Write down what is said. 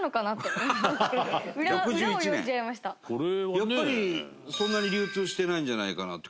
やっぱりそんなに流通してないんじゃないかなと、数的に。